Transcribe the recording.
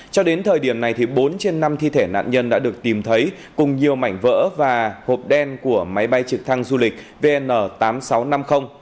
cho đến thời điểm này bốn trên năm thi thể nạn nhân đã được tìm thấy cùng nhiều mảnh vỡ và hộp đen của máy bay trực thăng du lịch vn tám nghìn sáu trăm năm mươi